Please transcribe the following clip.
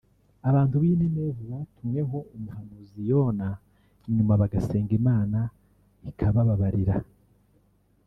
abantu b’i Neneve batumweho umuhanuzi Yona nyuma bagasenga Imana ikabababarira